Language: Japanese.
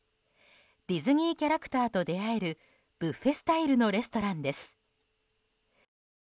ディズニーキャラクターと出会えるブッフェスタイルのレストランです。